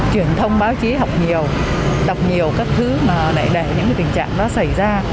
truyền thông báo chí học nhiều đọc nhiều các thứ mà đẩy đẩy những tình trạng đó xảy ra